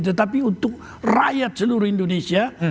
tetapi untuk rakyat seluruh indonesia